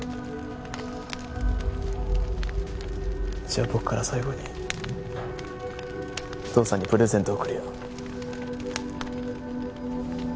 じゃあ僕から最後に父さんにプレゼントを贈るよ。